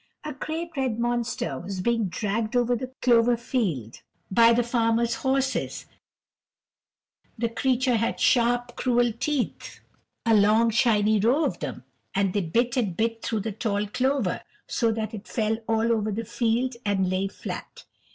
A great red monster was being dragged over the clover field by the farmer's horses; the creature had sharp, cruel teeth, a long, shining row of them, and they bit and bit through the tall clover, so that it fell all over the field and lay flat.